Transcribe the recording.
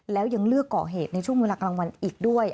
แล้วยังเลือกก่อเหตุในช่วงเวลากลางวันอีกด้วย